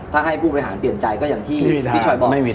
ถ้าให้ผู้บริหารเปลี่ยนใจก็อย่างที่พี่ชอยบอกไม่มี